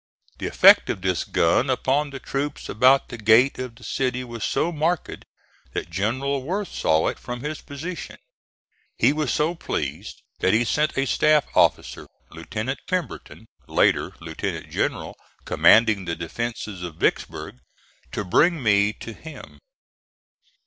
The effect of this gun upon the troops about the gate of the city was so marked that General Worth saw it from his position. (*3) He was so pleased that he sent a staff officer, Lieutenant Pemberton later Lieutenant General commanding the defences of Vicksburg to bring me to him.